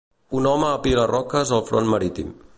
Un home apila roques al front marítim.